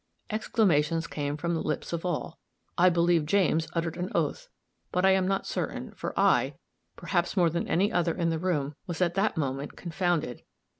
Exclamations came from the lips of all I believe James uttered an oath, but I am not certain; for I, perhaps more than any other in the room, was at that moment confounded.